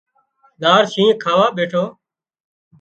زار شينهن کاوا ٻيٺو